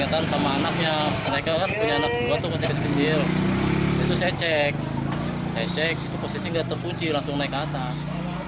itu saya cek saya cek posisi tidak terpunci langsung naik ke atas